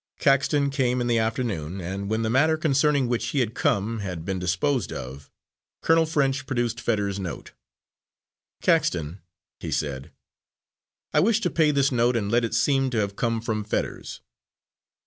Caxton came in the afternoon, and when the matter concerning which he had come had been disposed of, Colonel French produced Fetters's note. "Caxton," he said, "I wish to pay this note and let it seem to have come from Fetters."